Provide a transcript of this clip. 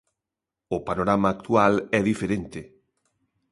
O panorama actual é diferente.